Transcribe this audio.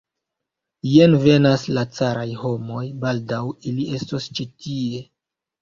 Jen venas la caraj homoj, baldaŭ ili estos ĉi tie.